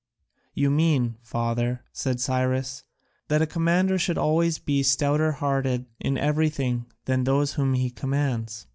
"You mean, father," said Cyrus, "that a commander should always be stouter hearted in everything than those whom he commands."